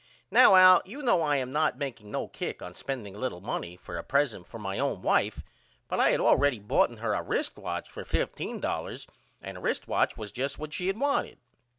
Now Al you know I am not makeing no kick on spending a little money for a present for my own wife but I had allready boughten her a rist watch for $15 and a rist watch was just what she had wanted.